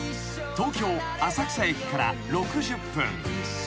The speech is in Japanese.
［東京浅草駅から６０分］